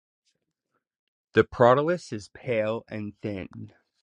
The prothallus is pale and thin.